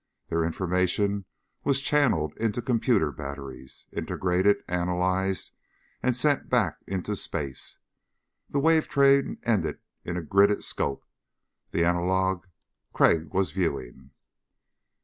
Their information was channeled into computer batteries, integrated, analyzed, and sent back into space. The wave train ended in a gridded scope the analog Crag was viewing.